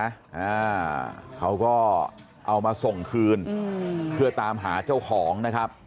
อ่าเขาก็เอามาส่งคืนอืมเพื่อตามหาเจ้าของนะครับ